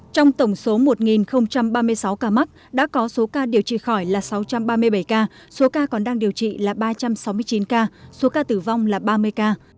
trong tổng số một ba mươi sáu ca mắc đã có số ca điều trị khỏi là sáu trăm ba mươi bảy ca số ca còn đang điều trị là ba trăm sáu mươi chín ca số ca tử vong là ba mươi ca